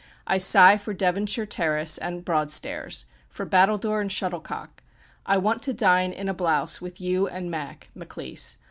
I sigh for Devonshire Terrace and Broadstairs, for battledore and shuttlecock; I want to dine in a blouse with you and Mac (Maclise)....